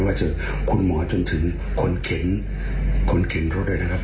ว่าจะคุณหมอจนถึงคนเข็นคนเข็นรถนะครับ